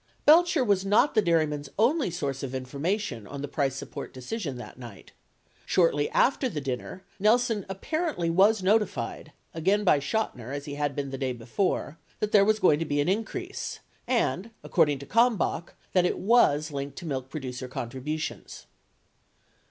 78 Belcher was not the dairymen's only source of information on the price support decision that night. Shortly after the dinner Nelson apparently was notified — again by Chotiner as he had been the day before — that there was going to be an increase — and, according to Kalmbach, that it was linked to milk producer contributions.